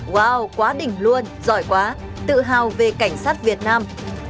wood quá đỉnh luôn giỏi quá tự hào về cảnh sát việt nam